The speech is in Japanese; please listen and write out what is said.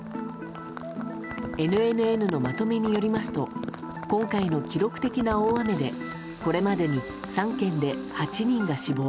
ＮＮＮのまとめによりますと今回の記録的な大雨でこれまでに３県で８人が死亡。